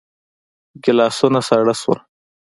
ګيلاسونه ساړه شول.